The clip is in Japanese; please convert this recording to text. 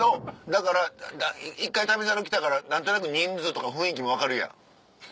だから一回『旅猿』来たから何となく人数とか雰囲気も分かるやん。